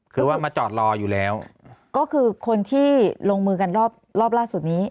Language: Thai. คือว่ามาจอดรออยู่แล้วก็คือคนที่ลงมือกันรอบรอบล่าสุดนี้